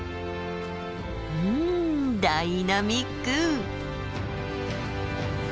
うんダイナミック！